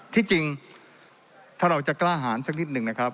ที่จริงถ้าเราจะกล้าหารสักนิดหนึ่งนะครับ